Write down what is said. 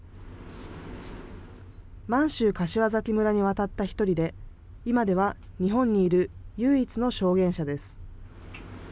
満州柏崎村に渡った１人で、今では日本にいる唯一の証言者です。